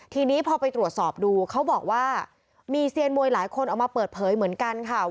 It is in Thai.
ทีนี้พอไปตรวจสอบดูเขาบอกว่ามีเซียนมวยหลายคนออกมาเปิดเผยเหมือนกันค่ะ